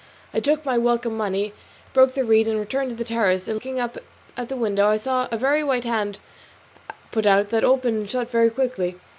I took my welcome money, broke the reed, and returned to the terrace, and looking up at the window, I saw a very white hand put out that opened and shut very quickly.